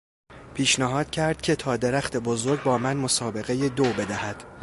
پیشنهاد کرد که تا درخت بزرگ با من مسابقهی دو بدهد.